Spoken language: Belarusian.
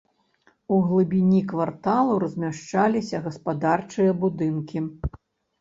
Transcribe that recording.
У глыбіні кварталу размяшчаліся гаспадарчыя будынкі.